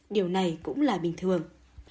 điều này cũng là bình thường